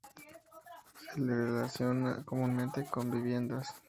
Se le relaciona comúnmente con viviendas.